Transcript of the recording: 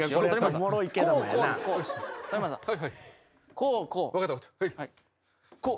こうこう。